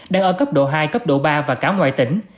đang ở cấp độ hai cấp độ ba và cả ngoài tỉnh